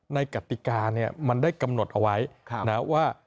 ในกติกามันได้กำหนดเอาไว้ว่า